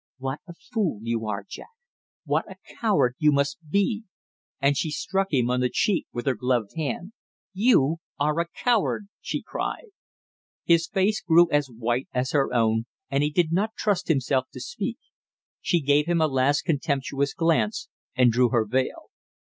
"What a fool you are, Jack, what a coward you must be!" and she struck him on the cheek with her gloved hand. "You are a coward!" she cried. His face grew as white as her own, and he did not trust himself to speak. She gave him a last contemptuous glance and drew her veil.